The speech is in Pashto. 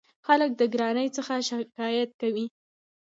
خلک د ګرانۍ څخه شکایت کوي.